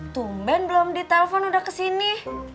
tumben belum ditelepon udah kesini